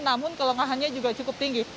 namun kelengahannya juga cukup tinggi